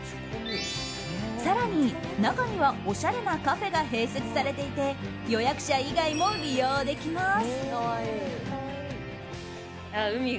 更に中には、おしゃれなカフェが併設されていて予約者以外も利用できます。